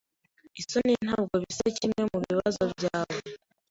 Isoni ntabwo bisa nkimwe mubibazo byawe.